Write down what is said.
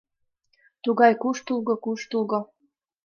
Тугай куштылго-куштылго.